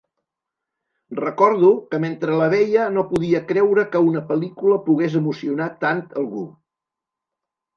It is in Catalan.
Recordo que mentre la veia no podia creure que una pel·lícula pogués emocionar tant algú.